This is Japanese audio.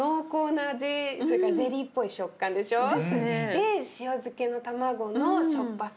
で塩漬けの卵のしょっぱさ。